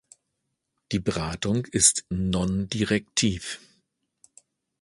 Die Beratung ist "non-direktiv".